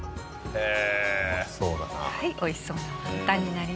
へえ。